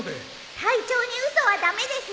隊長に嘘は駄目ですよ。